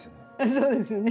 そうですよね。